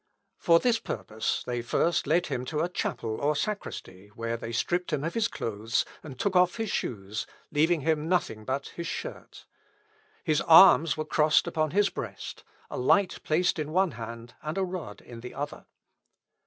For this purpose they first led him to a chapel or sacristy, where they stripped him of his clothes, and took off his shoes, leaving him nothing but his shirt. His arms were crossed upon his breast, a light placed in one hand, and a rod in the other.